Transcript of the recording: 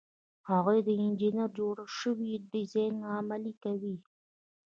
هغوی د انجینر جوړ شوی ډیزاین عملي کوي.